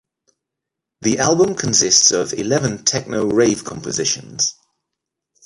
The album consists of eleven techno-rave compositions.